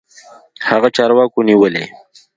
هغه چارواکو نيولى.